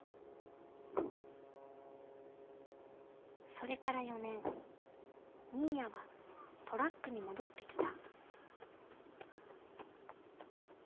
それから４年新谷はトラックに戻ってきた。